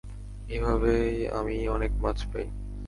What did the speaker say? এভাবেই আমি অনেক মাছ পাই।